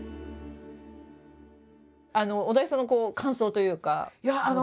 小田井さんの感想というかどうでした？